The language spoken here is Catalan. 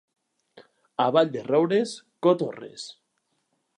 A Vall-de-roures, cotorres.